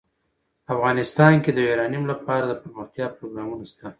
افغانستان کې د یورانیم لپاره دپرمختیا پروګرامونه شته.